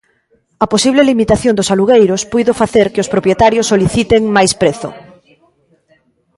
A posible limitación dos alugueiros puido facer que os propietarios soliciten máis prezo.